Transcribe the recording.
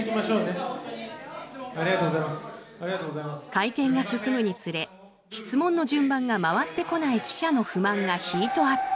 会見が進むにつれ質問の順番が回ってこない記者の不満がヒートアップ。